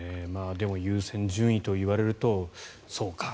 でも優先順位と言われるとそうか。